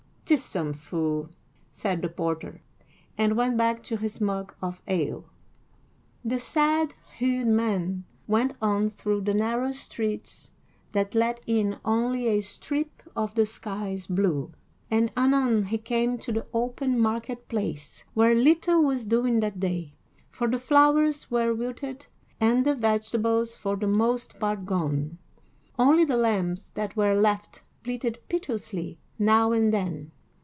"'Tis some fool," said the porter, and went back to his mug of ale. The sad hued man went on through the narrow streets that let in only a strip of the sky's blue, and anon he came to the open market place, where little was doing that day, for the flowers were wilted, and the vegetables for the most part gone; only the lambs that were left bleated piteously now and then.